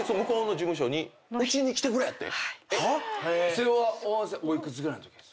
それはお幾つぐらいのとき？